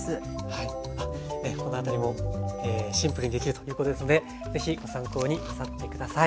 はいこのあたりもシンプルにできるということですのでぜひご参考になさって下さい。